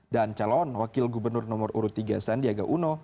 dan calon wakil gubernur nomor urut tiga sandiaga uno